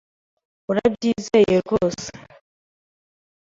Urabyizeye rwose?